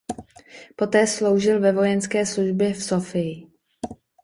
Poté sloužil ve vojenské službě v Sofii.